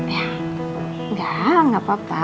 ya gak gak apa apa